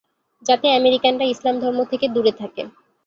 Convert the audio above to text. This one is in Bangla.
যাতে আমেরিকানরা ইসলাম ধর্ম থেকে দূরে থাকে।